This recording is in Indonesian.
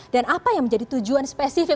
dan apa yang menjadi tujuan spesifik